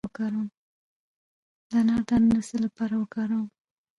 د انار دانه د څه لپاره وکاروم؟